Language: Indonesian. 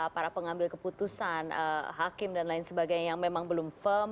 para pengambil keputusan hakim dan lain sebagainya yang memang belum firm